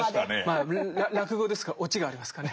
まあ落語ですからオチがありますかね。